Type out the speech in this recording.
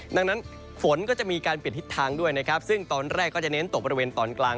ดังนั้นฝนก็จะมีการปิดทิศทางด้วยนะครับซึ่งตอนแรกก็จะเน้นตกบริเวณตอนกลาง